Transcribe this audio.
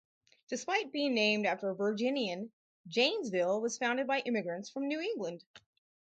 Despite being named after a Virginian, Janesville was founded by immigrants from New England.